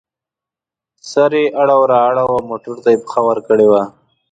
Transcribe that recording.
سر یې اړو را اړوو او موټر ته یې پښه ورکړې وه.